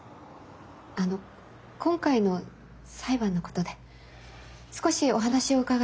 あの今回の裁判のことで少しお話を伺えたらと。